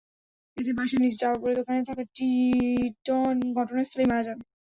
এতে বাসের নিচে চাপা পড়ে দোকানে থাকা টিটন ঘটনাস্থলেই মারা যান।